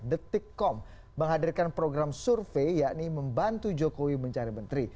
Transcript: detikkom menghadirkan program survei yakni membantu jokowi mencari menteri